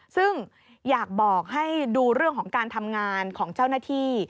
ซึ่งอยากบอกให้ดูเรื่องของการทำงานของเจ้าหน้าที่